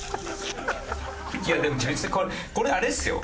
いやでも別にこれあれですよ？